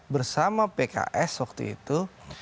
bersama pks waktu itu